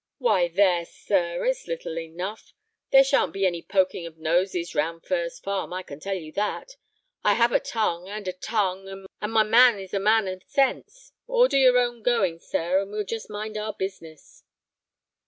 "Why, there, sir, it's little enough. There sha'n't be any poking of noses round Furze Farm, I can tell you that. I have a tongue—and a tongue, and my man is a man o' sense. Order your own goings, sir, and we'll just mind our business."